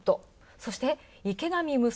そして「池上無双！